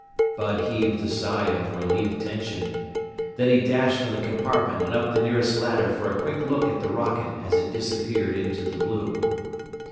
Bud heaved a sigh of relieved tension. Then he dashed from the compartment and up the nearest ladder for a quick look at the rocket as it disappeared into the blue.